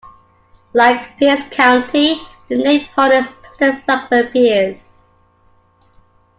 Like Pierce County, the name honors President Franklin Pierce.